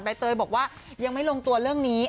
เตยบอกว่ายังไม่ลงตัวเรื่องนี้